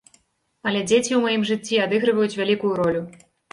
Але дзеці ў маім жыцці адыгрываюць вялікую ролю.